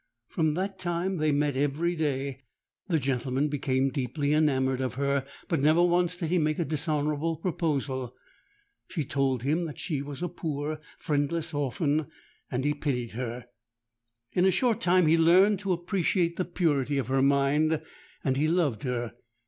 From that time they met every day: the gentleman became deeply enamoured of her, but never once did he make a dishonourable proposal. She told him that she was a poor friendless orphan and he pitied her:—in a short time he learnt to appreciate the purity of her mind—and he loved her.